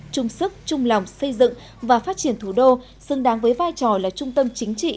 chung sức chung lòng xây dựng và phát triển thủ đô xứng đáng với vai trò là trung tâm chính trị